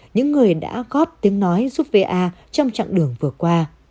những người đã góp tiếng nói giúp va trong chặng đường vừa qua